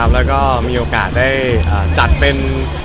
แล้วก็มีโอกาสได้จัดเป็น